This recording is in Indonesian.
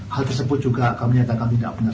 hal tersebut juga kami nyatakan tidak benar